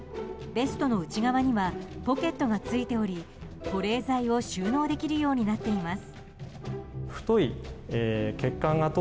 ベストの内側にはポケットがついており保冷剤を収納できるようになっています。